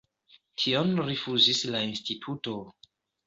Tion rifuzis la instituto.